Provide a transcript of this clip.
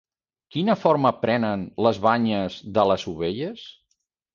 Quina forma prenen les banyes de les ovelles?